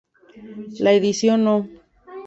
La edición No.